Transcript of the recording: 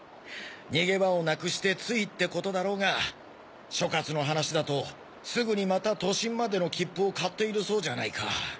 逃げ場をなくしてついってことだろうが所轄の話だとすぐにまた都心までの切符を買っているそうじゃないか。